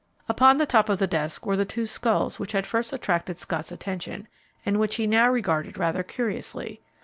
Upon the top of the desk were the two skulls which had first attracted Scott's attention, and which he now regarded rather curiously.